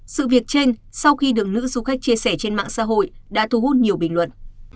sự việc trên sau khi được nữ du khách chia sẻ trên mạng xã hội đã thu hút nhiều bình luận